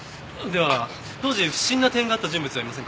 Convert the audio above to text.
では当時不審な点があった人物はいませんか？